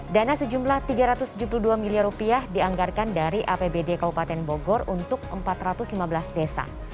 dana sejumlah rp tiga ratus tujuh puluh dua miliar rupiah dianggarkan dari apbd kabupaten bogor untuk empat ratus lima belas desa